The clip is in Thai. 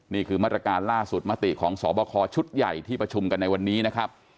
นี่คือมาตรการล่าสุดมติของสอบคอชุดใหญ่ที่ประชุมกันในวันนี้นะครับ